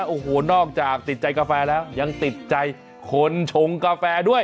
โอ้โหนอกจากติดใจกาแฟแล้วยังติดใจคนชงกาแฟด้วย